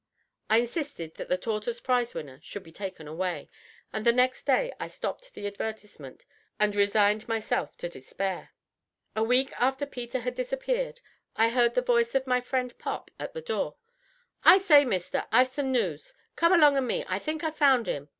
I insisted that the tortoise prize winner should be taken away, and the next day I stopped the advertisement and resigned myself to despair. A week after Peter had disappeared I heard the voice of my friend Pop at the door. "I say, mister, I've some noose. Come along o' me. I think I've found 'im.